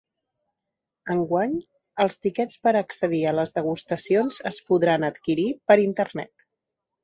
Enguany, els tiquets per a accedir a les degustacions es podran adquirir per internet.